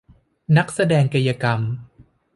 นักแสดงกายกรรม